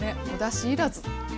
おだし要らず！